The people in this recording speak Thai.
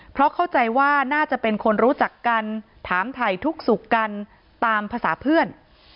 เพราะเข้าใจว่าน่าจะเป็นคนรู้จักกันถามถ่ายทุกข์สุขกันตามภาษาเพื่อน